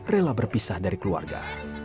rela berpisah dari keluarga